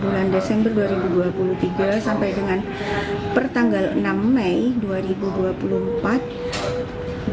bulan desember dua ribu dua puluh tiga sampai dengan pertanggal enam mei dua ribu dua puluh empat